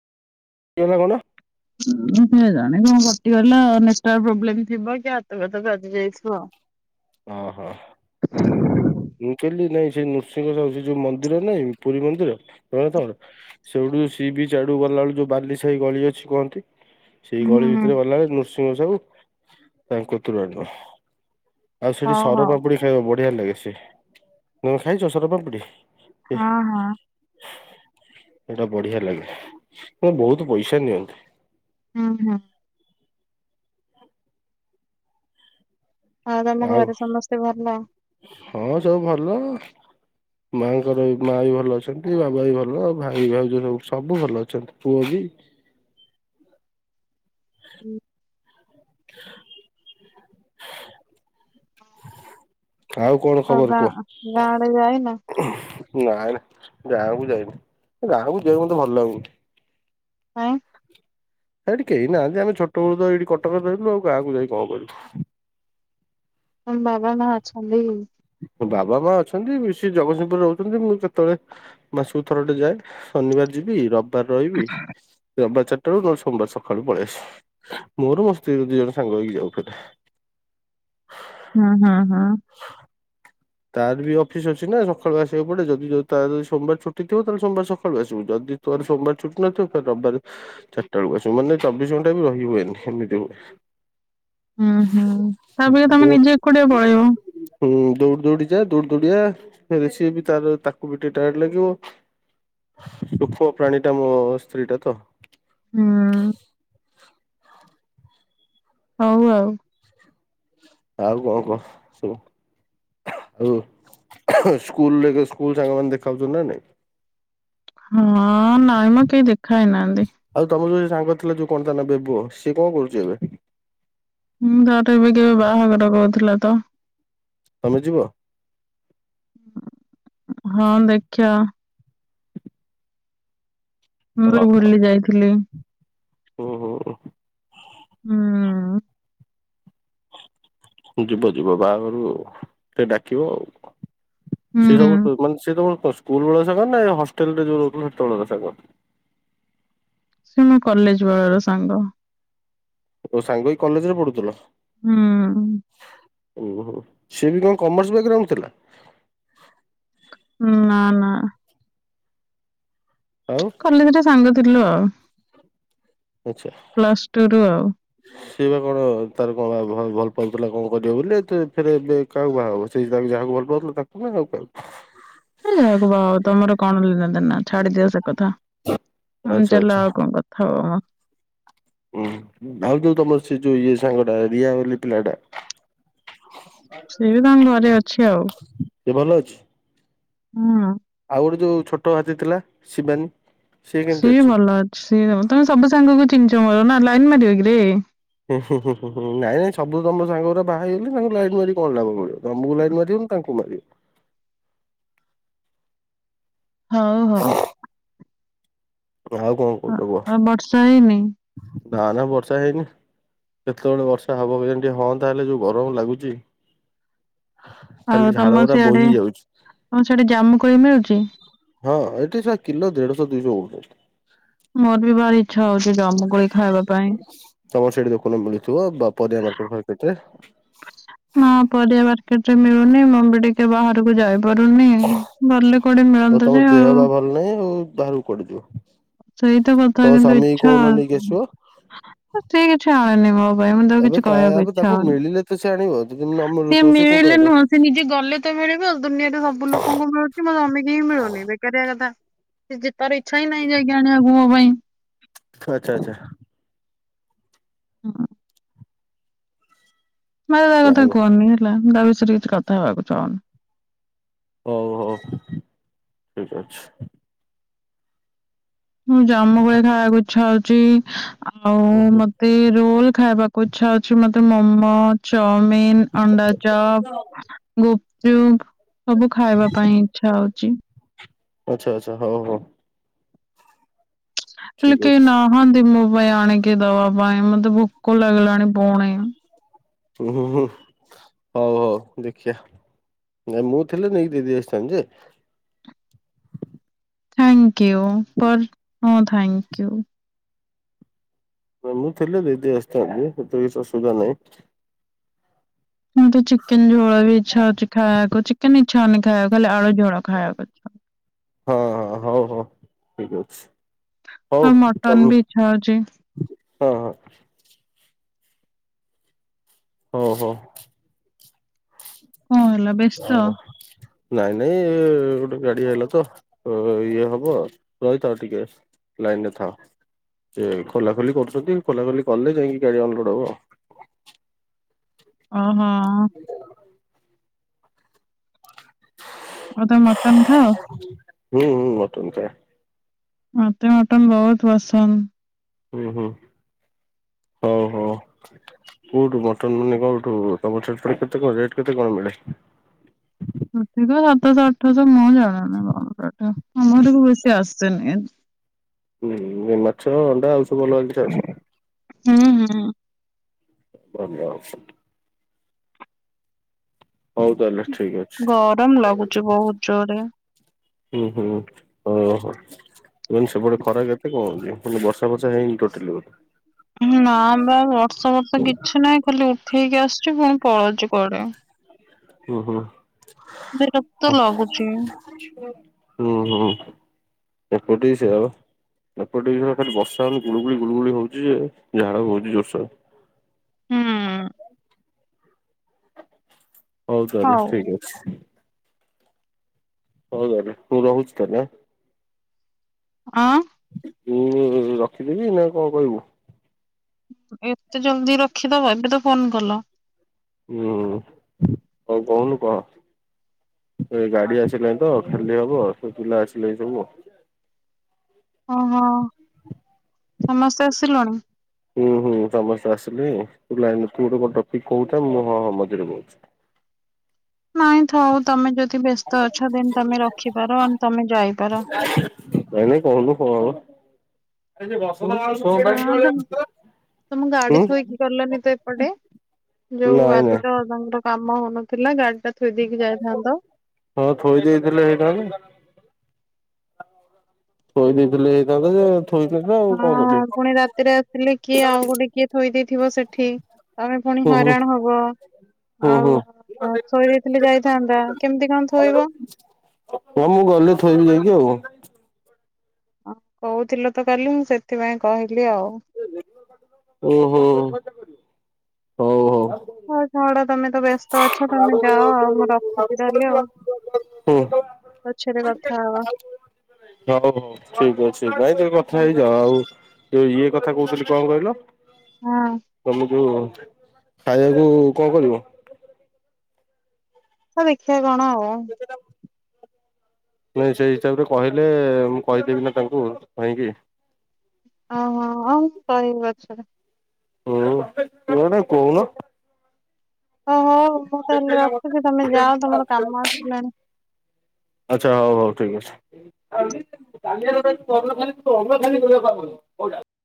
କେ ଲାଗ ନା ମୁଁ କେମିତି ଜାଣିବି କଣ କଟିଗଲା ନେଟୱାର୍ ପ୍ରୋବ୍ଲେମ ଥିବ କି ହାତଘାତ ବାଜି ଯାଇଥିବ ଆଉ ଓ ହୋ ହ [inaudible] ମୁଁ କହିଲି ନାଇଁ ସେ ନୃସିଂହ ସା ସେ ଯୋଉ ମନ୍ଦିର ନାଇଁ ପୁରୀ ମନ୍ଦିରର ସେଇଠୁ ସି ବି ଆଡୁ ଗଲାବେଳ ଯୋଉ ବାଲି ସାହି ଗଳି ଅଛି କହନ୍ତି। ସେଇ ହୁଁ ଗଳି ହୁଁ ଭିତରେ ଗଲାବେଳେ ନୃସିଂହ ସାହୁ ତାଙ୍କ ତୁରଣ ଆଉ ସେଠି ହଉ ହଉ ସରପାମ୍ପୁଡି ଖାଇବ ବଢିଆ ଲାଗେ ସେ ତମେ ଖାଇଛ ସରପାମ୍ପୁଡି? ହଁ ହଁ ଏଇଟା ବଢିଆ ଲାଗେ ବହୁତ ପଇସା ନିଅନ୍ତି। ହଁ ହଁ ହଁ ତମ ଆଉ ଘରେ ସମସ୍ତେ ଭଲ। ହଁ ସବୁ ଭଲ। ମାଆଙ୍କର ମାଆ ବି ଭଲ ଅଛନ୍ତି ବାବା ବି ଭଲ ଭାଇ ଭାଉଜ ସବୁ ସବୁ ଭଲ ଅଛନ୍ତି ପୁଅ ବି ହୁଁ କଣ ଆଉ ଖବର ଗାଁ କୁହ ଗାଁ ଆଡ଼େ ଯାଇ ନା। ନାଇଁ ନା ଗାଁକୁ ଯାଇନି ଗାଁକୁ ଯିବାକୁ ମୋତେ ଭଲ ଲାଗୁନି। କାଇଁ। ସେଇଠି କେହି ନାହାନ୍ତି ଆମେ ଛୋଟ ବେଳୁ ତ ଏଇଠି କଟକରେ ରହିଲୁ ଆଉ ଗାଁକୁ ଯାଇ କଣ କରିବୁ। ତମ ବାବା ମା ଅଛନ୍ତି। ହଁ ବାବା ମା ଅଛନ୍ତି ସେ ଜଗତସିଂହପୁରରେ ରହୁଛନ୍ତି ମୁଁ କେତେବେଳେ ମାସକୁ ଥର ଟେ ଯାଏ ଶନିବାର ଯିବି ରବିବାର ରହିବି ରବିବାର ଚାରିଟାରୁ ନ ହେଲେ ସୋମବାର ସକାଳୁ ପଳେଇ ଆସିବୁ ମୋର ମୋ ସ୍ତ୍ରୀ ଦି ଜଣ ସାଙ୍ଗ ହେଇକି ଯାଉ ହ ହ ହ। ତାର ବି ଅଫିସ ଅଛି ନା ସକାଳୁ ଆସିବାକୁ ପଡ଼େ ଯଦି ତାର ଯଦି ସୋମବାର ଛୁଟି ଥିବ ତାହେଲେ ସୋମବାର ସକାଳୁ ଆସିବ ଯଦି ତୋରା ସୋମବାର ଛୁଟି ନଥିବ ରବିବାର ଚାଟା ବେଳକୁ ଆସୀମ ମାନେ ଚବିଶ ଘଣ୍ଟା ବି ରହି ହୁଏନି ଏମିତି ହୁଏ। ହୁଁ ହୁଁ ତାପରେ ଦୌ ତମେ ନିଜେ ଏକୁଟିଆ ପଳେଇବ। ହୁଁ ଦୌଡ଼ି ଦୌଡ଼ି ଯା ଦୌଡ଼ି ଦୌଡ଼ି ଆ ସିଏ ବି ତ ତାକୁ ବି ଟିକେ ଟାଏଡ୍ ଲାଗିବ। ଦୁଖ ପ୍ରାଣୀ ଟା ମୋ ସ୍ତ୍ରୀ ଟା ତ ହୁଁ। ହଉ ଆଉ। ଆଉ କଣ କଣ ସବୁ? ଆଉ ସ୍କୁଲ ସ୍କୁଲ ସାଙ୍ଗ ମାନ ଦେଖାହଉଛନ୍ତି ନା ନାଇଁ? ହଁ ନାଇଁ ମ କେହି ଦେଖା ହଉ ନାହାନ୍ତି। ଆଉ ତମ ଯୋଉ ସାଙ୍ଗ ଥିଲା ଯୋଉ କଣ ଟା [unintelligible] ସିଏ କଣ କରୁଛି ଏବେ? ମୁଁ ତ ଏବେ କେବେ ବାହାଘର କହୁଥିଲା ତ। ତମେ ଯିବ। ହଁ ଦେଖିବା। ମୁଁ ବି ଭୁଲି ଯାଇଥିଲି ହୁଁ ହୁଁ। ଯିବ ଯିବ ବାହାଘରକୁ ଆଉ ଡାକିବ ଆଉ। ସେ ହୁଁ ସବୁ ମାନେ ତମ ସ୍କୁଲ ବେଳର ସାଙ୍ଗ ନା ହଷ୍ଟେଲ ରେ ଯୋଉ ରହୁଥିଲା ସେତେ ବେଳର ସାଙ୍ଗ। ସେ ମୋ କଲେଜ ବେଳ ର ସାଙ୍ଗ ଓ ସାଙ୍ଗ ହେଇକି କଲେଜ ରେ ପଢୁଥିଲ। ହୁଁ। ଓହୋ ସିଏ ବି କଣ କମର୍ସ ବେଗ୍ରାଉଣ୍ଡ ଥିଲା। ହଁ ନା ନା। ଆଉ। କଲେଜ ରେ ସାଙ୍ଗ ଥିଲୁ ଆଉ ଆଚ୍ଛା। ପ୍ଲସ ଟୁ ରୁ ଆଉ। ସେଏ ବା କଣ ତାର କଣ ଭଲ ପାଉଥିଲା କଣ କରିବ ବୋଲି ଫେରେ ଏବେ କାହାକୁ ବାହା ହେବ ସେ ତାକୁ ଯାହାକୁ ଭଲ ପାଉଥିଲା ତାକୁ ହଉ [unintelligible] ଯାହାକୁ ବାଉ ତମର କଣ ଲେନା ଦେନା ଛାଡ଼ି ଦିଅ ସେ କଥା ହ ଆଚ୍ଛା ଚାଲ ଆଚ୍ଛା ଆଉ କଣ କଥା। ଥାଉ। ହୁଁ ଆଉ ଯୋଉ ତମର ସେ ଯୋଉ ଇଏ ସାଙ୍ଗଟା ରିଆ ବୋଲି ପିଲା ଟା ସେ ବି ତାଙ୍କ ଘରେ ଅଛି ଆଉ। ସେ ଭଲ ଅଛି? ହୁଁ ଆଉ ଗୋଟେ ଯୋଉଁ ଛୋଟ ହାତୀ ଥିଲା ଶିବାନୀ। ସିଏ ବି ଭଲ ଅଛି ସିଏ ତମେ ସବୁ ସାଙ୍ଗକୁ ଚିହ୍ନିଛ ମୋର ନା ଲାଇନ ମାରିବ କିରେ। ହୁଁ ନାଇଁ ନାଇଁ ସବୁ ତମ ସାଙ୍ଗର ବାହା ହେଇଗଲେ ତାଙ୍କୁ ଲାଇନ ମାରି କଣ ଲାଭ ପଡ଼ିବ। ତମକୁ ଲାଇନ୍ ମାରିବି ନା ତାଙ୍କୁ ମାରିବି। ହଉ ହଉ। ଆଉ କଣ କହୁଛ ଆଉ ବର୍ଷା ହେଇନି କୁହ ନା ନା ବର୍ଷା ହେଇନି। କେତେବେଳେ ବର୍ଷା ହବ ବୁଲେ ଯେମିତି ହଅନ୍ତା ହେଲେ ଯଉ ଗରମ ଲାଗୁଚି। ଖାଲି ଝାଳ ଗୁରା ବହି ଯାଉଛି। ହଁ ସେଠି ଜାମୁ କୁଳି ମିଳୁଛି? ହଁ ଏଠି ସ କିଲୋ ଦେଢଶ ଦିଇଶ ହଉଚି। ମର ବି ଭାରି ଇଚ୍ଛା ହଉଛି ଜମୁକୋଳି ଖାଇବା ପାଇଁ। ତମର ସେଠି ଦେଖୁନ ମିଳୁଥିବ ବା ପରିବା ମାର୍କେଟ ଫାର୍କେଟ ରେ। ହଁ ପରିବା ମାର୍କେଟ ରେ ମିଳୁନି ମୁଁ ବି ଟିକେ ବାହାରକୁ ଯାଇ ପାରୁନି ଭଲ କୁଆଡେ ଆଉ ତମ ମିଳନ୍ତା ଯେ ଦେହ ଆଉ। ବା ଭଲ ନାଇଁ ବାହାରକୁ କୁଆଡେ ଯିବ। ସେଇ ତ କଥା ତମ କିନ୍ତୁ ସ୍ଵାମୀ କି ଇଚ୍ଛା କହୁନ ନେଇକି ଆସିବ [unintelligible] କିଛି ଏବେ ତା କହିବାକୁ ଏବେ ତାକୁ ଇଚ୍ଛା ହଉନି ମିଳିଲେ ତ ସେ ଆଣିବ ଯଦି ନ ସିଏ ମିଳୁଥିବ ସେ କୋଉଠୁ ମିଳିଲେ ଆଣିବ। ନୁହଁ ସେ ନିଜେ ଗଲେ ମତେ ମିଳିବ ଆଉ ଦୁନିଆରେ ସବୁ ଲୋକଙ୍କୁ ମିଳୁଛି ମ ସ୍ୱାମୀଙ୍କି ହିଁ ମିଳୁନି ବେକାରିଆ କଥା। ଇଜି ତାରେ ଇଛା ହିଁ ନାହିଁ। ଯାଇକି [unintelligible] ପାଇଁ। ଆଛା, ଆଛା। ହଁ। ମତେ ତା ହଉ କଥା କୁହନି ହେଲା। ତା ବିଷୟରେ କିଛି କଥା ହବାକୁ ଚାହୁନି। ହୋଉ ହୋଉ ଠିକ୍ ଅଛି। ମୁଁ ଜାମୁ କୋଳି ଖାଇବାକୁ ଇଛା ହେଉଛି। ଆଉ ହୁଁ ହୁଁ ମତେ ଏମିତି ରୋଲ୍ ଖାଇବାକୁ ଇଚ୍ଛା ଅଛି ମତେ ମମୋ ଚାଉମିନ୍, ଅଣ୍ଡା ଚପ୍ ଗୁପ୍ ଚୁପ୍ ସବୁ ଖାଇବା ପାଇଁ ଇଛା ହଉଚି। ଆଛା, ଆଛା। ହଉ, ହଉ। ହେଲେ ଠିକ କେହି ଅଛି ନାହାନ୍ତିି ମୋ ପାଇଁ ଆଣିକି ଦବା ପାଇଁ। ମତେ ଭୋକ ଲାଗିଲାଣି ପୁଣି। ହୁଁ, ହୁଁ, ହୁଁ। ହଉ, ହଉ ଦେଖିବା। ନାଇଁ ମୁଁ ଥିଲେ ନେଇକି ଦେଇ ଦେଇ ଆସିଥାନ୍ତି ଯେ ଥାଙ୍କିୟୁ ପର୍ ନୋ ଥ୍ୟାଙ୍କିୟୁ। ମୁଁ ଥିଲେ ଦେଇ ଦେଇ ଆସିଥାନ୍ତି। ସେଥିରେ କିଛି ଅସୁବିଧା ନାହିଁ। କିନ୍ତୁ ଚିକେନ୍ ଝୋଳ ବି ଇଛା ହଉଛି ଖାଇବାକୁ। ଚିକେନ୍ ନମସ୍ତେ ଇଛା ହଉନି ଖାଇବାକୁ ଖାଲି ଆଳୁଝୋଳ ଖାଇବାକୁ ଇଛା ହଁ, ହଁ ହଉ, ହଉ ଠିକ୍ ଅଛି। ଇଚ୍ଛା। ହଉ ଆଉ ମଟନ ତମେ ବି ଇଚ୍ଛା ହଉଛି ହଁ, ହଁ। ହଉ, ହଉ। କଣ ହେଲା ଆ ବ୍ୟସ୍ତ ନାଇଁ ନାଇଁ, ଗୋଟେ ଗାଡି ଆଇଲା ତ ଇଏ ହବ ରହିଥାଓ ଟିକେ। ଲାଇନ୍ ରେ ଥାଓ। ସେ ଖୋଲା ଖୋଲି କରୁଛନ୍ତି ଖୋଲା ଖୋଲି କଲେ ଯାଇକି ଗାଡି ଅନଲୋଡ ହବ ଆଉ। ଓହୋ। ଆଉ ତମେ ମଟନ ଖାଅ? ହୁଁ ହୁଁ, ମଟନ ଖାଏ। ମତେ ମଟନ୍ ବୋହୁତ୍ ପସନ୍ଦ। ଉଁ ହୁଁ। ହଉ, ହଉ। କୋଉଠୁ ମଟନ ମାନେ କୋଉଠୁ? ତମର ସେଠି ପୁଣି କେତେ କଣ ରେଟ୍ କଣ ମିଳେ? ଏଠି ତ ସାତଶ, ଆଠଶ ମୁଁ ଜାଣେନି [unintelligible] ଆମର ବି ବେଶୀ ଆସେନି। ହୁଁ ଏ ମାଛ, ଅଣ୍ଡା ଆଉ ସବୁ ଅଲଗା ଜିନଷ ଆଣୁଛନ୍ତି। ହୁଁ, ହୁଁ। [unintelligible] ହଉ ତାହେଲେ ଠିକ ଅଛି ଗରମ ଲାଗୁଚି ବୋହୁତ୍ ଜୋରେ। ହୁଁ, ହୁଁ ହଉ ହ ଏଇନେ ସେପଟେ ଖରା କେତେ କଣ ହଉଛି? ମାନେ ବର୍ଷା ବର୍ଷା ଫର୍ଷା ହେଇନି ଟୋଟାଲି ବଧେ? ନା ବା ବର୍ଷା ଫର୍ଶା କିଛି ନାହିଁ ଖାଲି ଉଠେଇକି ଆସିଛି ପୁଣି ପଳଉଛି କୁଆଡେ? ଉଁ ହୁଁ। ବିରକ୍ତ ଲାଗୁଛି। ହୁଁ, ହୁଁ। ଏପଟେ ବି ସେଇଆ ବା। ଏପଟେ ବି ଖାଲି ବର୍ଷା ହେଉନି ଗୁଳୁଗୁଳି, ଗୁଳୁଗୁଳି ହଉଛି ଯେ ଝାଳ ହଉଛି ଜୋରସେ। ହୁଁ। ହୋଉ ତାହଲେ ହଉ ଠିକ୍ ଅଛି। ହୋଉ ତାହେଲେ ମୁଁ ରହୁଛି ତା ହେଲେ? ଅଁ ମୁଁ ରଖିଦେବି ନା କଣ କହିବୁ? ଏତେ ଜଲ୍ଦି ରଖିଦବ ଏବେ ତ ଫୋନ କଲ? ହୁଁ ଆଉ କହୁନୁ କହ? ଏଇ ଗାଡି ଆସିଲାଣିି ତ ଖାଲି ହବ ସେ ପିଲା ଆସିଲେଣି ସବୁ। ହଁ ହଁ ସମସ୍ତେ ଆସିଲଣି? ହୁଁ, ହୁଁ। ସମସ୍ତେ ଆସିଲେ ତୁ ଲାଇନରେ ତୁ ଗୋଟେ କଣ ଟପିକ୍ କହୁଥା, ମୁଁ ହଁ ହଁ ମଝିରେ କହୁଛି। ନାଇଁ, ଥାଉ ତମେ ଯଦି ବ୍ୟସ୍ତ ଅଛ ଦେନ୍ ତମେ ରଖିପାର, ଆଣ୍ଡ୍ ତମେ ଯାଇପାର? ନାଇଁ ନାଇଁ କହୁନୁ କଣ ହବ? [inaudible] ହଁ ତମ ତମ ଗାଡି ଥୋଇକି ଗଲନି ତ ଏପଟେ? ଯୋଉ ନାଇଁ ଆଜି ତ ତାଙ୍କର କାମ ହଉନଥିଲା, ଗାଡିଟା ଥୋଇ ଦେଇକି ଯାଇଥାନ୍ତ? ହଁ ଥୋଇ ଦେଇଥିଲେ ହେଇଥାନ୍ତା ଶୋଇ ଦେଇଥିଲେ ହେଇଥାନ୍ତା ଯେ ଥୋଇ ଦେଇନ ହଁ, ପୁଣି ରାତିରେ ଆସିଲେ କିଏ ଆଉ ଗୋଟେ କିଏ ଥୋଇ ଦେଇଥିବ ସେଠି। ତମେ ପୁଣି ହୁଁ ହୁଁ ହଇରାଣ ହବ। ହୁଁ ଆଉ ହୁଁ। ଥୋଇ ଦେଇଥିଲି ଯାଇଥାନ୍ତା। କେମତି କଣ ଥୋଇବ? ହଁ, ମୁଁ ଗଲେ ଥୋଇବି ଯାଇଁକି ଆଉ କଣ? କହୁଥିଲ ତ କାଲି, ମୁଁ ସେଥିପାଇଁ କହିଲି ଆଉ। ଉଁ ହୁଁ, ହଉ ହଉ। ହଉ ଛାଡ଼ ତମେ ତ ବ୍ୟସ୍ତ ଅଛ, ତମେ ଯାଅ ଆଉ ମୁଁ ରଖୁଛି ତାହେଲେ ଆଉ। ହୁଁ। ଅଛି ଗୋଟେ କଥା ହବା। ହଉ ହଉ ଠିକ ଅଛି ପାଇଁ ତମେ କଥା ହେଇଯାଅ ଆଉ ଏ ଇଏ କଥା କହୁଥିଲି କଣ କହିଲ? ହଁ ତମକୁ ଖାଇଆକୁ କଣ କରିବ? ଆ ଦେଖିବା କଣ ଆଉ। ନାଇଁ ସେଇ ହିସାବରେ କହିଲେ, ମୁଁ କହିଦେବି ନା ତାଙ୍କୁ କାହିଁକି। ଓହୋ। ହଉ ମୁଁ କହିବି ପଛରେ। ହୁଁ, ତୁ ଏଇଟା କହୁନ। ଓହୋ, ମୁଁ ତାହେଲେ ରଖୁଛି, ତମେ ଯାଅ ତମର କାମ ଆସିଲାଣି। ଆଚ୍ଛା। ହଉ ହଉ ଠିକ୍ ଅଛି। [unintelligible] ପରଦିନ ଖାଲି ତମେ ଖାଲି କହିବ କାମ କରିବ।